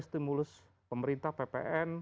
stimulus pemerintah ppn